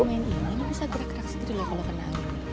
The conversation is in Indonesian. eh main ini bisa gerak gerak sendiri lah kalau ke nangis